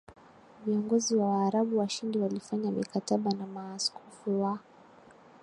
Viongozi wa Waarabu washindi walifanya mikataba na maaskofu wa